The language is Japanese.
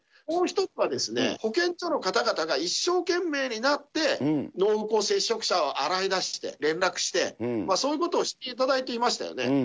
もう一つは、保健所の方々が一生懸命になって、濃厚接触者を洗い出して、連絡して、そういうことをしていただいていましたよね。